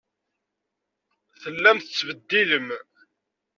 Tellam tettbeddilem.